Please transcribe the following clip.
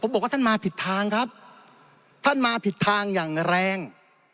บอกว่าท่านมาผิดทางครับท่านมาผิดทางอย่างแรง